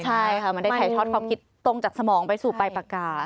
ใช่ค่ะมันได้ถ่ายทอดความคิดตรงจากสมองไปสู่ปลายปากกาศ